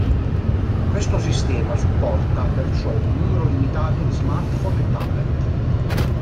Questo sistema supporta perciò un numero limitato di smartphone e tablet.